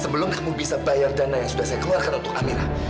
sebelum kamu bisa bayar dana yang sudah saya keluarkan untuk amira